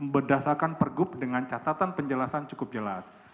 berdasarkan per gup dengan catatan penjelasan cukup jelas